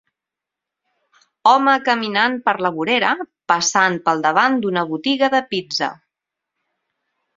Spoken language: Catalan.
Home caminant per la vorera passant pel davant d'una botiga de pizza.